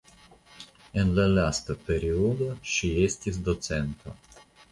En la lasta periodo ŝi estis docento.